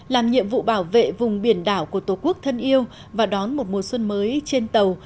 làm nhiệm vụ bảo vệ vùng biển đảo của tổ quốc thân yêu và đón một mùa xuân mới trên tàu